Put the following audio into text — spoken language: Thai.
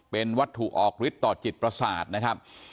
เป็นวัตถุออกฤทธิต่อจิตประสาทนะครับ